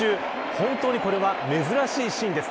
本当にこれは珍しいシーンです。